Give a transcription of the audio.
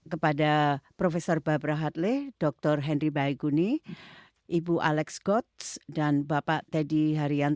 kepada prof barbara hartley dr henry bayaguni ibu alex gotz dan bapak tuan